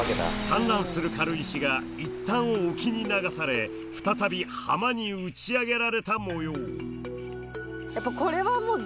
散乱する軽石が一旦沖に流され再び浜に打ち上げられたもよう。